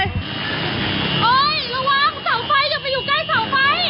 ระวังเสาไฟอย่าไปอยู่ใกล้เสาไฟ